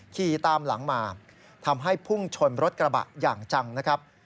ขี่ตามหลังมาทำให้พุ่งชนรถกระบะอย่างจังนะครับ